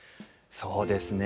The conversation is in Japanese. そうですね。